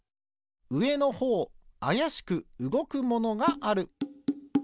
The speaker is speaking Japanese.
うえのほうあやしくうごくものがある。